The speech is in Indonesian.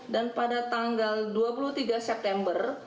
dan pada tanggal dua puluh tiga september